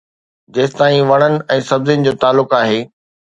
جيستائين وڻن ۽ سبزين جو تعلق آهي.